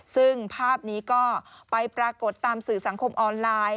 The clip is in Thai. ซึ่งภาพนี้ก็ไปปรากฏตามสื่อสังคมออนไลน์